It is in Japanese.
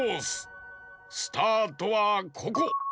スタートはここ。